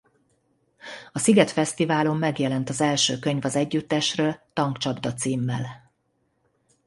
A Sziget Fesztiválon megjelent az első könyv az együttesről Tankcsapda címmel.